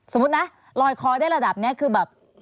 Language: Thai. สมมุตินะลอยคอได้ระดับนี้คือแบบ